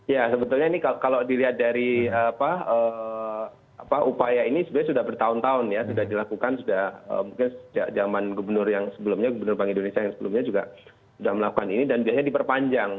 ya sebetulnya ini kalau dilihat dari upaya ini sebenarnya sudah bertahun tahun ya sudah dilakukan sudah mungkin sejak zaman gubernur yang sebelumnya gubernur bank indonesia yang sebelumnya juga sudah melakukan ini dan biasanya diperpanjang